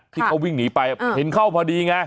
ที่เขาวิ่งหนีไปเห็นเข้าพอดีไง